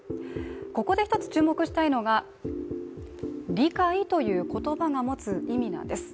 ここで一つ注目したいのが「理解」という言葉が持つ意味なんです。